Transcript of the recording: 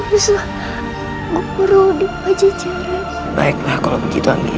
bisa berhenti baju jalan baiklah kalau begitu angin